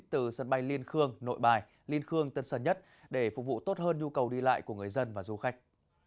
từ sân bay liên khương nội bài liên khương tân sân nhất để phục vụ tốt hơn nhu cầu đi lại của người dân và du khách